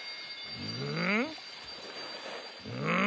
うん？